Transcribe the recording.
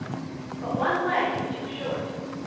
But one leg is too short.